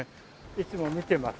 いつも見てます。